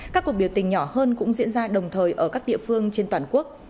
các cuộc biểu tình nhỏ hơn cũng diễn ra đồng thời ở các địa phương trên toàn quốc